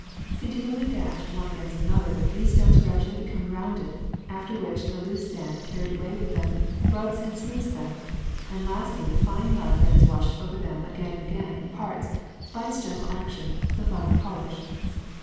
Oontinually dashed one against another, these stones gradually become rounded, after which the loose sand carried away with them rubs and smooths them ; and lastly the fine mud that is washed over them again and again imparts, by its gentle action, the final polish.